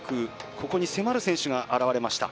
ここに迫る選手が現れました。